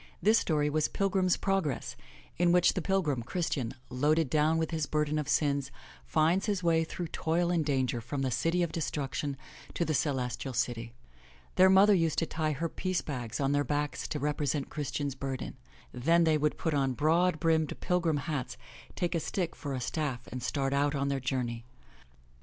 This story was Pilgrim's Progress, in which the pil grim, Christian, loaded down with his burden of sins, finds his way through toil and danger from the City of Destruction to the Celes tial City. Their mother used to tie her piece bags on their backs to represent Christian's burden. Then they would put on broad brimmed, pilgrim hats, take a stick for a staff and start out on their journey.